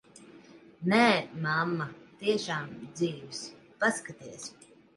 Nē, mamma, tiešām dzīvs. Paskaties.